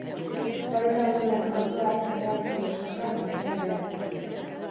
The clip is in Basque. Gaur ezagutu den autoak erreakzio soka luzea eragin du.